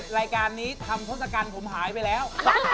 รายการนี้ทำทศกัณฐ์ผมหายไปแล้ว